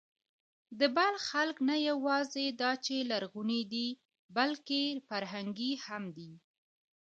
د بلخ خلک نه یواځې دا چې لرغوني دي، بلکې فرهنګي هم دي.